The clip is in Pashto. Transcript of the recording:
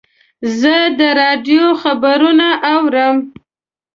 زه د راډیو خبرونه اورم.